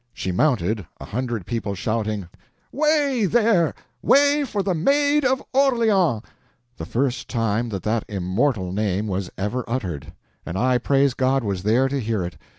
She mounted, a hundred people shouting: "Way, there—way for the MAID OF ORLEANS!" The first time that that immortal name was ever uttered—and I, praise God, was there to hear it!